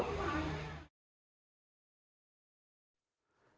ดีมากขอบครอบครัวนะครับ